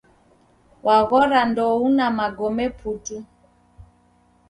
Waghora ndouna magome putu